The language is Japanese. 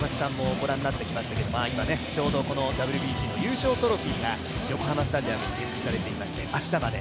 御覧になってきましたけどちょうどＷＢＣの優勝トロフィーが横浜スタジアムに展示されていまして、明日まで。